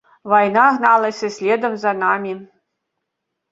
Вайна гналася следам за намі.